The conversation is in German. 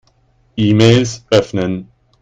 E-Mails öffnen.